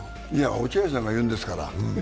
落合さんが言うんですから。